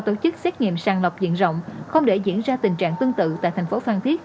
tổ chức xét nghiệm sàng lọc diện rộng không để diễn ra tình trạng tương tự tại thành phố phan thiết